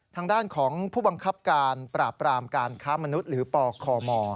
ทางด้านของผู้บังคับการปราบปรามการค้ามนุษย์หรือปคม